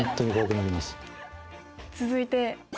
続いて。